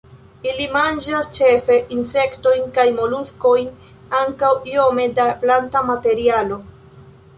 Ili manĝas ĉefe insektojn kaj moluskojn, ankaŭ iome da planta materialo.